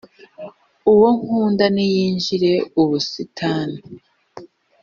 Uwo nkunda niyinjire ubusitani,